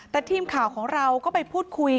แต่ทีมข่าวของเราก็ไปพูดคุย